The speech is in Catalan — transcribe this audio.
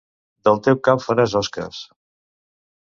Del teu cap faràs osques.